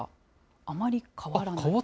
あまり変わらない。